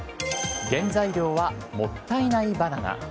原材料はもったいないバナナ。